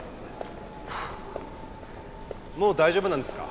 もう大丈夫なんですか？